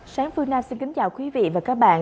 sáng phương nam xin kính chào quý vị và các bạn